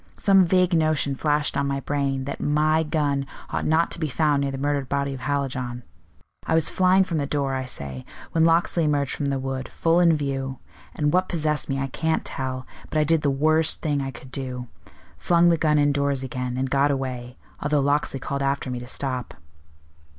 "Some vague notion flashed on my brain that my gun ought not to be found near the murdered body of Hallijohn. I was flying from the door, I say, when Locksley emerged from the wood, full in view; and what possessed me I can't tell, but I did the worst thing I could do flung the gun indoors again, and got away, although Locksley called after me to stop."